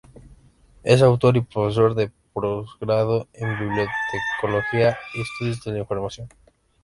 Es tutor y profesor de posgrado en bibliotecología y Estudios de la Información.